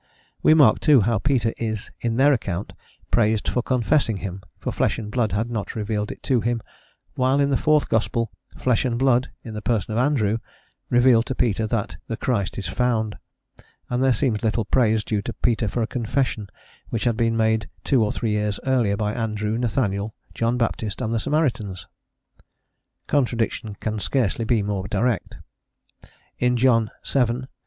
We mark, too, how Peter is, in their account, praised for confessing him, for flesh and blood had not revealed it to him, while in the fourth gospel, "flesh and blood," in the person of Andrew, reveal to Peter that the Christ is found; and there seems little praise due to Peter for a confession which had been made two or three years earlier by Andrew, Nathanael, John Baptist, and the Samaritans. Contradiction can scarcely be more direct. In John vii.